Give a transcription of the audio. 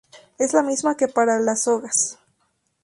Es la misma que para las sogas.